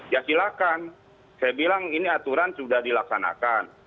ya silahkan saya bilang ini aturan sudah dilaksanakan